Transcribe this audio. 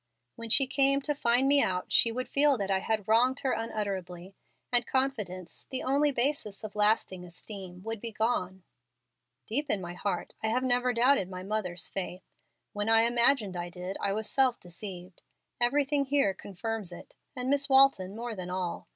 When she came to find me out she would feel that I had wronged her unutterably, and confidence, the only basis of lasting esteem, would be gone. "Deep in my heart I have never doubted my mother's faith. When I imagined I did I was self deceived. Everything here confirms it, and Miss Walton more than all.